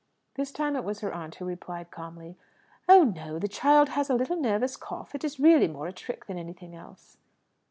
This time it was her aunt who replied calmly, "Oh no. The child has a little nervous cough; it is really more a trick than anything else."